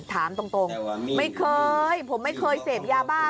ถามตรงไม่เคยผมไม่เคยเสพยาบ้า